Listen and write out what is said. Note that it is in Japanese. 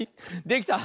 できた！